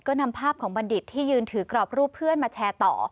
ก็นำภาพของบัณฑิตที่ยืนถือกรอบรูปเพื่อนมาแชร์ต่อ